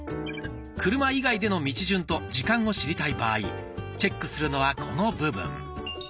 車以外での道順と時間を知りたい場合チェックするのはこの部分。